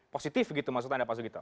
positif gitu maksud anda pak sugito